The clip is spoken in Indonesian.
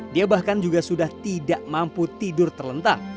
dia bahkan juga sudah tidak mampu tidur terlentang